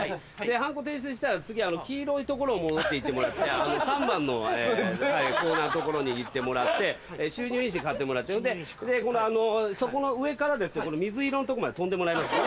はんこ提出したら次黄色い所を戻って行ってもらって３番のコーナーの所に行ってもらって収入印紙買ってもらってでそこの上からこの水色のとこまで跳んでもらいます。